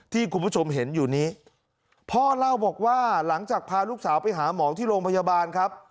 ที่คุณผู้ชมเห็นอยู่นี้พ่อเล่าบอกว่าหลังจากพาลูกสาวไปหาหมอที่โรงพยาบาลครับ